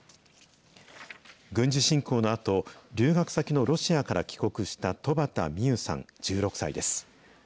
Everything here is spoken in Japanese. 軍事侵攻のあと、留学先のロシアから帰国した戸畑心結さん１６歳です。